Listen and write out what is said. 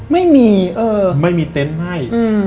ไม่มีเต็นต์ให้